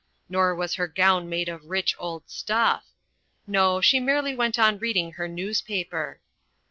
Nor was her gown made of "rich old stuff." No, she merely went on reading her newspaper.